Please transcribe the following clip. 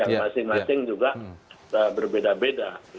yang masing masing juga berbeda beda